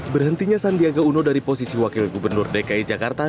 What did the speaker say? berhentinya sandiaguno dari posisi wakil gubernur dki jakarta